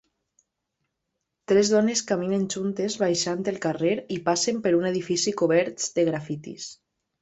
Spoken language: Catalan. Tres dones caminen juntes baixant el carrer i passen por un edifici coberts de grafitis.